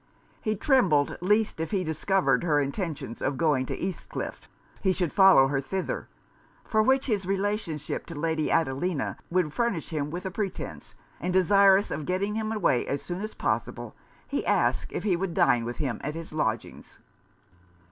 He trembled least if he discovered her intentions of going to East Cliff, he should follow her thither; for which his relationship to Lady Adelina would furnish him with a pretence; and desirous of getting him away as soon as possible, he asked if he would dine with him at his lodgings.